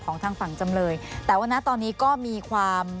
ของทางฝั่งจำเลยแต่วันนี้ก็มีความ